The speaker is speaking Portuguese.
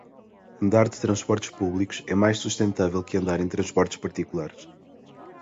Andar de transportes públicos é mais sustentável que andar em transportes particulares.